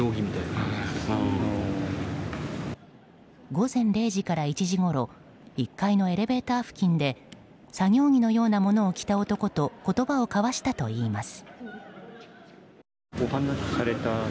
午前０時から１時ごろ１階のエレベーター付近で作業着のようなものを着た男と言葉を交わしたといいます。